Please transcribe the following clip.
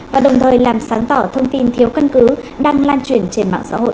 và đồng thời làm sáng tỏ thông tin thiếu căn cứ đang lan truyền trên mạng xã hội